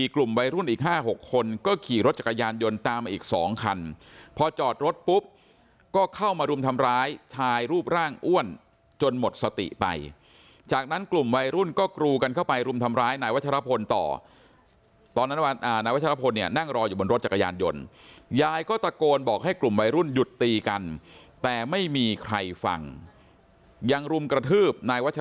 กลุ่มวัยรุ่นอีก๕๖คนก็ขี่รถจักรยานยนต์ตามมาอีก๒คันพอจอดรถปุ๊บก็เข้ามารุมทำร้ายชายรูปร่างอ้วนจนหมดสติไปจากนั้นกลุ่มวัยรุ่นก็กรูกันเข้าไปรุมทำร้ายนายวัชรพลต่อตอนนั้นนายวัชรพลเนี่ยนั่งรออยู่บนรถจักรยานยนต์ยายก็ตะโกนบอกให้กลุ่มวัยรุ่นหยุดตีกันแต่ไม่มีใครฟังยังรุมกระทืบนายวัช